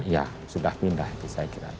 ya sudah pindah itu saya kira